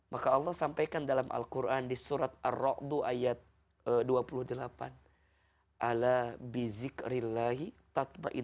maka allah sampaikan dalam al quran di surat ar ⁇ qdu ayat dua puluh delapan